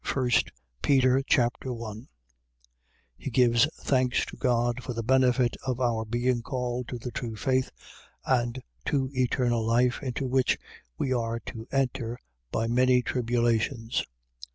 1 Peter Chapter 1 He gives thanks to God for the benefit of our being called to the true faith and to eternal life, into which we are to enter by many tribulations.